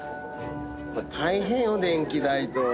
大変よ電気代と。